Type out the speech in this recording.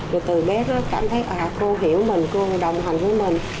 rồi từ bé đó cảm thấy cô hiểu mình cô đồng hành với mình